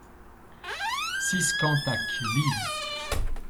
six Cantac, liv.